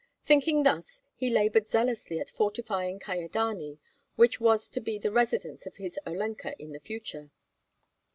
Thinking thus, he labored zealously at fortifying Kyedani, which was to be the residence of his Olenka in the future.